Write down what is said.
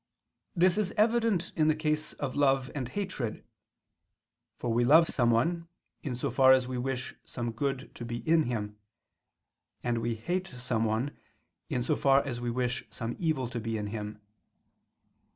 This is evident in the case of love and hatred: for we love someone, in so far as we wish some good to be in him; and we hate someone, in so far as we wish some evil to be in him.